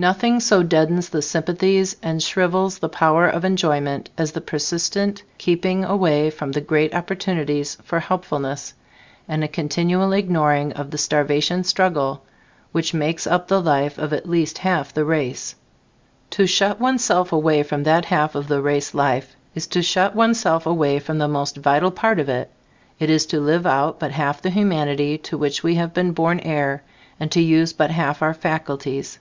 Nothing so deadens the sympathies and shrivels the power of enjoyment as the persistent keeping away from the great opportunities for helpfulness and a continual ignoring of the starvation struggle which makes up the life of at least half the race. To shut one's self away from that half of the race life is to shut one's self away from the most vital part of it; it is to live out but half the humanity to which we have been born heir and to use but half our faculties.